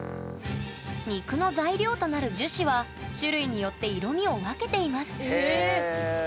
肉の材料となる樹脂は種類によって色みを分けていますえ！